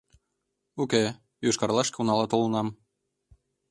— Уке, Йошкар-Олашке унала толынам.